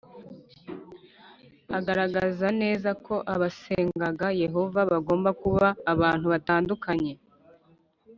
Agaragaza neza ko abasengaga Yehova bagombaga kuba abantu batanduye